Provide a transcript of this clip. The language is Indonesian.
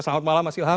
selamat malam mas ilham